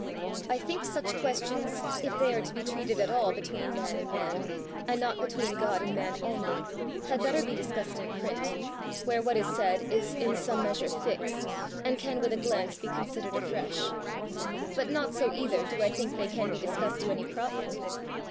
I think such questions, if they are to be treated at all between man and man, and not between God and man only, had better be discussed in print, where what is said is in some measure fixed, and can with a glance be considered afresh. But not so either do I think they can be discussed to any profit."